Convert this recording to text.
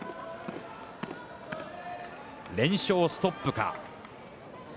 連勝ストップか。